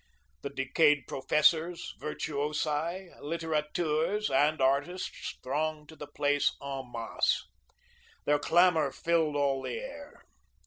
The decayed professors, virtuosi, litterateurs, and artists thronged to the place en masse. Their clamour filled all the air.